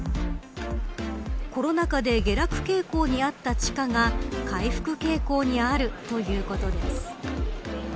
コロナ禍で下落傾向にあった地価が回復傾向にあるということです。